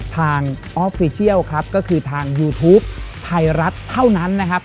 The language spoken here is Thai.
ออฟฟิเชียลครับก็คือทางยูทูปไทยรัฐเท่านั้นนะครับ